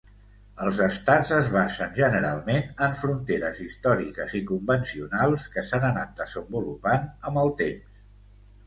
Els estats es basen generalment en fronteres històriques i convencionals que s'han anat desenvolupant amb el temps.